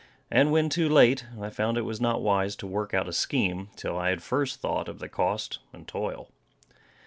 And when too late, I found it was not wise to work out a scheme, till I had first thought of the cost and toil.